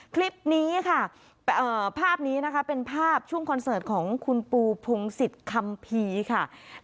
คลิปนี้ค่ะภาพนี้นะคะเป็นภาพช่วงคอนเสิร์ตของคุณปูพงศิษย์คัมภีร์ค่ะ